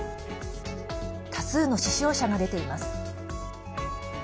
多数の死傷者が出ています。